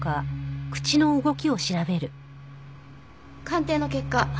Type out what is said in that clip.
鑑定の結果